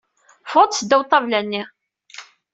Ffeɣ-d seddaw ṭṭabla-nni!